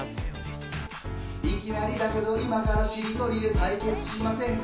いきなりだけど、今から、しりとりで対決しませんか？